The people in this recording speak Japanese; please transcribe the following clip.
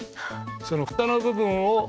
そのフタの部分を。